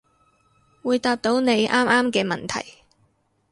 會答到你啱啱嘅問題